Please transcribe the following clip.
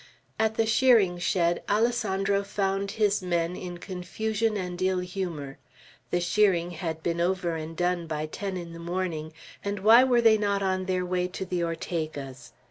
At the shearing shed, Alessandro found his men in confusion and ill humor. The shearing had been over and done by ten in the morning, and why were they not on their way to the Ortega's?